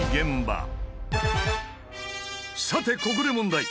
さてここで問題！